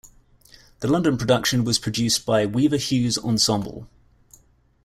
The London production was produced by Weaver Hughes Ensemble.